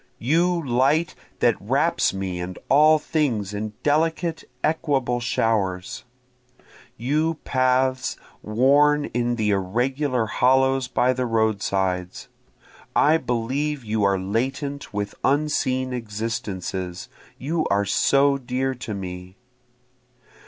You light that wraps me and all things in delicate equable showers! You paths worn in the irregular hollows by the roadsides! I believe you are latent with unseen existences, you are so dear to me.